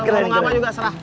ngomong apa juga serah